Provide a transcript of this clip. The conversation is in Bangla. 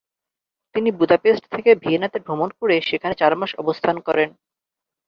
তিনি বুদাপেস্ট থেকে ভিয়েনাতে ভ্রমণ করে সেখানে চার মাস অবস্থান করেন।